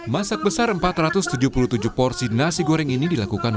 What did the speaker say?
masak besar empat ratus tujuh puluh tujuh porsi nasi goreng ini dilakukan